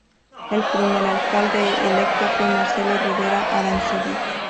El primer alcalde electo fue Marcelo Rivera Arancibia.